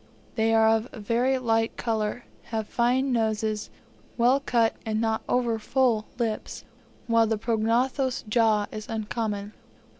They are of very light colour, have fine noses, well cut and not over full lips, while the prognathous jaw is uncommon.